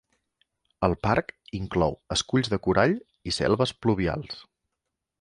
El parc inclou esculls de corall i selves pluvials.